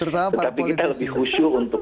tetapi kita lebih husu untuk